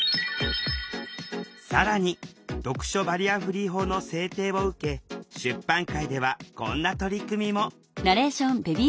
更に読書バリアフリー法の制定を受け出版界ではこんな取り組みも。